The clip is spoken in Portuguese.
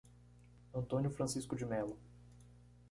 Antônio Francisco de Melo